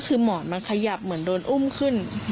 คือหมอนมันขยับเหมือนโดนอุ้มขึ้น